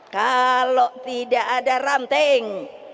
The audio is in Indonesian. kalau tidak ada ranting